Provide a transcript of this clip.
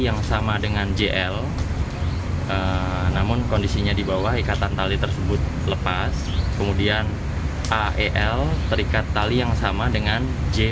namun ada unsur paksaan